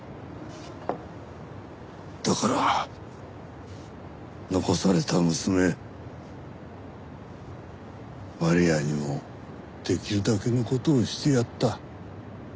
だから残された娘マリアにもできるだけの事をしてやった。